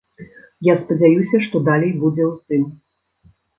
Я спадзяюся, што далей будзе ўздым.